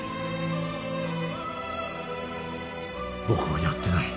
僕はやってない。